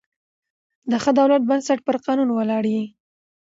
د ښه دولت بنسټ پر قانون ولاړ يي.